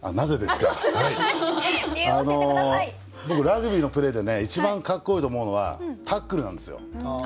僕ラグビーのプレーで一番かっこいいと思うのはタックルなんですよ。